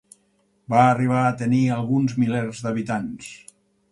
Va arribar a tenir alguns milers d'habitants.